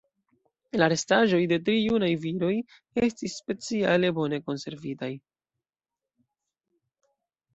La restaĵoj de tri junaj viroj estis speciale bone konservitaj.